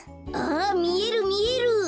あみえるみえる！